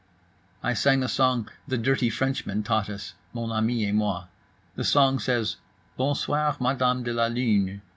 I sang a song the "dirty Frenchmen" taught us, mon ami et moi. The song says Bon soir, Madame de la Lune….